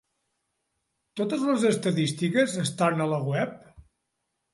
Totes les estadístiques estan a la web?